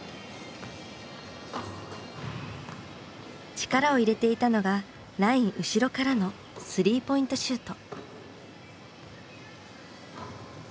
力を入れていたのがライン後ろからの３ポイントシュート。